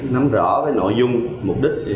nắm rõ với nội dung mục đích